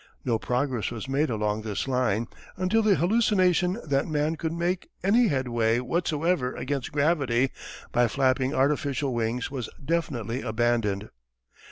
No progress was made along this line until the hallucination that man could make any headway whatsoever against gravity by flapping artificial wings was definitely abandoned.